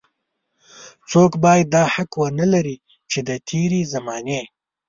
څوک بايد دا حق ونه لري چې د تېرې زمانې.